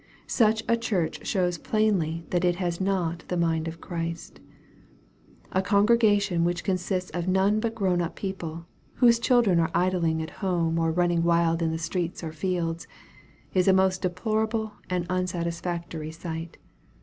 Such a church shows plainly that it has not the mind of Christ. A congregation which consists of none but grown up people, whose children are idling at home or running wild in the streets or fields, is a most deplorable and un satisfactory sight.